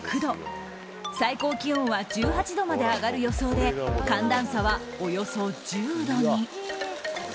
最高気温は１８度まで上がる予想で寒暖差はおよそ１０度に。